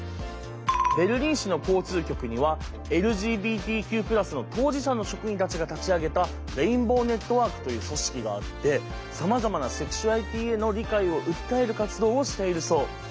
ベルリン市の交通局にはＬＧＢＴＱ＋の当事者の職員たちが立ち上げたレインボーネットワークという組織があってさまざまなセクシュアリティーへの理解を訴える活動をしているそう。